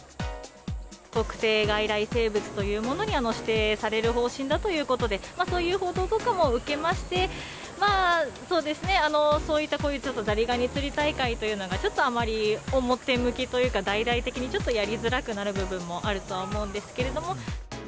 特定外来生物というものに指定される方針だということで、そういう報道とかも受けまして、そうですね、そういったこういうザリガニ釣り大会というのが、ちょっとあまり表向きというか、大々的にちょっとやりづらくなる部分もあるとは思うんですけども。